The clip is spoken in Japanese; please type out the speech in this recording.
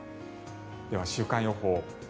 では週間予報。